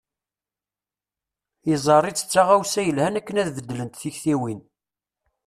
Yeẓẓar-itt d taɣawsa yelhan akken ad beddlent tiktiwin.